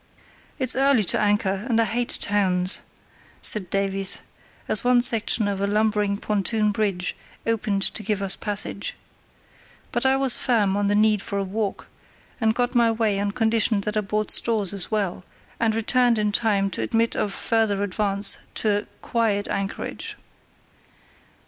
"It's early to anchor, and I hate towns," said Davies, as one section of a lumbering pontoon bridge opened to give us passage. But I was firm on the need for a walk, and got my way on condition that I bought stores as well, and returned in time to admit of further advance to a "quiet anchorage".